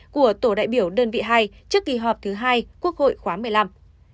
của tổ đại biểu đơn vị hai trước kỳ họp thứ hai quốc hội khóa một mươi năm